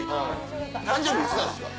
誕生日いつなんですか？